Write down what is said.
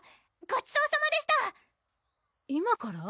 ごちそうさまでした今から？